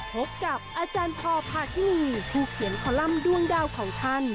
พบกับอาจารย์พอพาทินีผู้เขียนคอลัมป์ด้วงดาวของท่าน